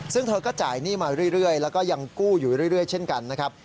ซึ่งเธอก็จ่ายหนี้มาเรื่อยแล้วก็ยังกู้อยู่เรื่อยเช่นกันนะครับ